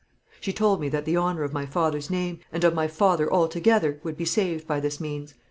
She told me that the honour of my father's name, and of my family altogether, would be saved by this means.